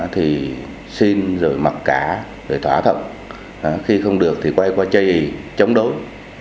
thì xin rồi mặc cá để thỏa thậm khi không được thì quay qua chây chống đối